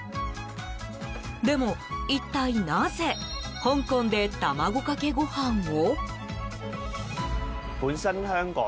でも、一体なぜ香港で卵かけご飯を？